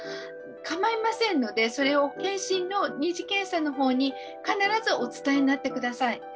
かまいませんのでそれを健診の二次検査の方に必ずお伝えになって下さい。